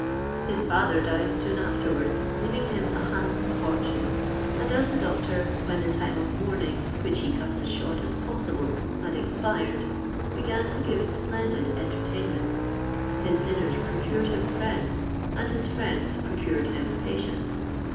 His father died soon afterwards, leaving him a handsome fortune; and as the doctor, when the time of mourning (which he cut as short as possible) had expired, began to give splendid entertainments, his dinners procured him friends, and his friends procured him patients.